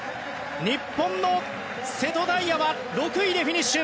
日本の瀬戸大也は６位でフィニッシュ。